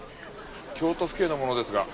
京都府警の者ですが。